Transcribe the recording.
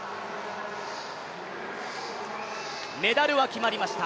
メダルは決まりました。